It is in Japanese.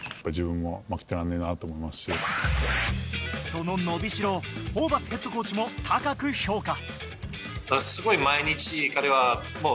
その伸びしろをホーバスヘッドコーチも高く評価。